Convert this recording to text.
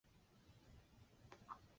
累官至广东按察司佥事。